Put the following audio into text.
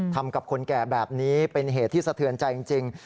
ทำกับคนแก่แบบนี้เป็นเหตุที่สะเทือนใจจริง